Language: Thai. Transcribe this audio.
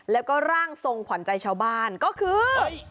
แล้วก็ร่างทรงขวัญใจชาวบ้านก็คือ